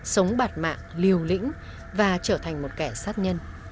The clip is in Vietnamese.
sống bạt mạng liều lĩnh và trở thành một kẻ sát nhân